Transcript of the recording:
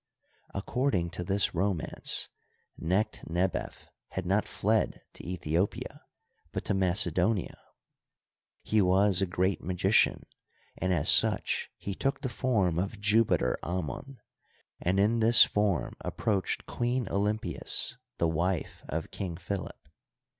According to this romance, Necht nebef had not fled to Aethiopia, but to Macedonia. He was a g^eat magpcian, and as such he took the form of Jupiter Amon. and in this form ap proached Queen Olympias, the wife of King Philip.